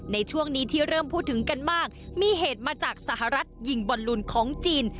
ในช่วงนี้ที่เริ่มพูดถึงกันมากมีเหตุมาจากสหรัฐยิงบอลลูนของจีน